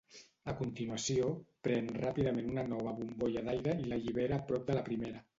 A continuació, pren ràpidament una nova bombolla d'aire i l'allibera a prop de la primera.